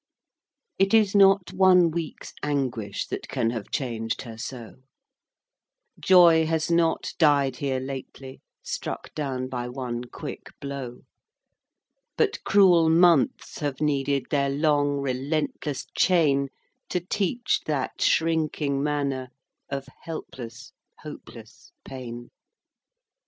IV. It is not one week's anguish That can have changed her so; Joy has not died here lately, Struck down by one quick blow; But cruel months have needed Their long relentless chain, To teach that shrinking manner Of helpless, hopeless pain.